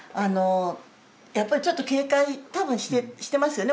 やっぱりちょっと警戒多分してますよね